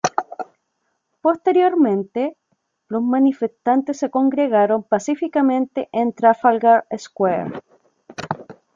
Posteriormente, los manifestantes se congregaron pacíficamente en Trafalgar Square.